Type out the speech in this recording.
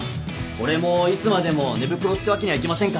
俺もいつまでも寝袋ってわけにはいきませんからね。